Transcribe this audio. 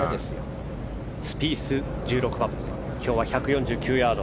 スピース、１６番今日は１４９ヤード。